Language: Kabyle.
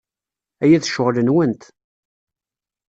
Aya d ccɣel-nwent.